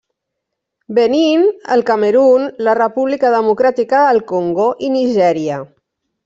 Benín, el Camerun, la República Democràtica del Congo i Nigèria.